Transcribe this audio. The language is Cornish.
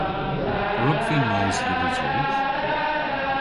A wrug vy mos dhe Resrudh?